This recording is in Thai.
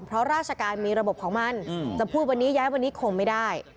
เพราะราชการมีระบบของมันจะพูดวันนี้ย้ายวันนี้คงไม่ได้